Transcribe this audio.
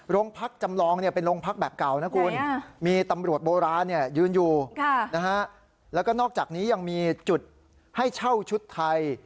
โรงพักจำลองเป็นโรงพักแบบเก่านะคุณมีตำรวจโบราณยืนอยู่แล้วก็นอกจากนี้ยังมีจุดให้เช่าชุดไทย